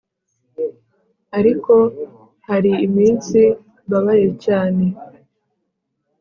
ariko hari iminsi mbabaye cyane.